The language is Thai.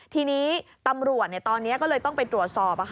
ทีนี้ตำรวจตอนนี้ก็เลยต้องไปตรวจสอบ